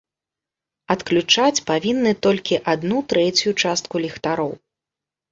Адключаць павінны толькі адну трэцюю частку ліхтароў.